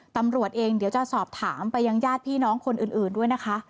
ตำรวจเองเดี๋ยวจะสอบถามไปยังญาติพี่น้องคนอื่นด้วยนะคะ